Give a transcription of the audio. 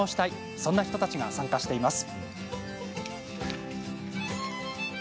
そんな人たちが参加しています。